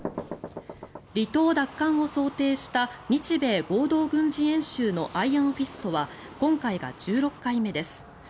離島奪還を想定した日米合同軍事演習のアイアン・フィストは今回が１６回目です。